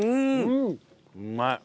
うまい。